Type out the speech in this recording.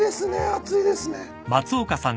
厚いですね。